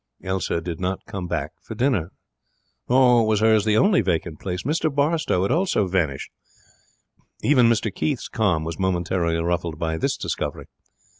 Elsa did not come back for dinner. Nor was hers the only vacant place. Mr Barstowe had also vanished. Even Mr Keith's calm was momentarily ruffled by this discovery.